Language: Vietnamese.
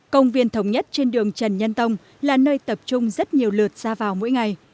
công viên thống nhất trên đường trần nhân tông là nơi tập trung rất nhiều lượt ra vào mỗi ngày